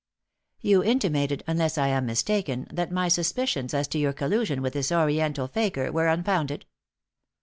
You intimated, unless I am mistaken, that my suspicions as to your collusion with this Oriental fakir were unfounded?"